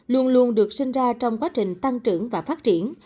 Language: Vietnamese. luôn luôn được sinh ra trong quá trình tăng trưởng và phát triển